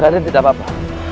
raden tidak apa apa